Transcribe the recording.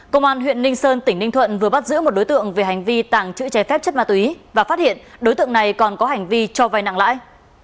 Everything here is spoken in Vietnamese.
công an huyện ninh sơn tỉnh ninh thuận vừa bắt giữ một đối tượng về hành vi tàng trữ trái phép chất ma túy và phát hiện đối tượng này còn có hành vi cho vai nặng lãi